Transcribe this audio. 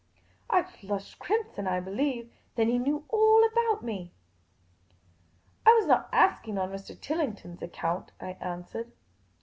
I flushed crimson, I believe. Then he knew all about me !" I was not asking on Mr. Tillington' s account," I answered.